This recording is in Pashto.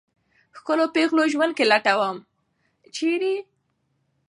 ښکلو پېغلو زنده ګي لټوم ، چېرې ؟